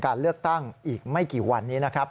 การเลือกตั้งอีกไม่กี่วันนี้นะครับ